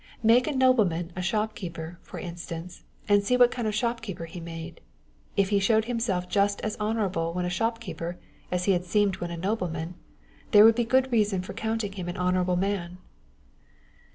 Make a nobleman a shopkeeper, for instance, and see what kind of a shopkeeper he made. If he showed himself just as honorable when a shopkeeper as he had seemed when a nobleman, there would be good reason for counting him an honorable man."